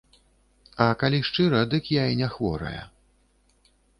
А, калі шчыра, дык я і не хворая.